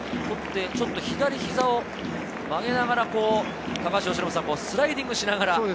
左膝を曲げながら、スライディングしながら。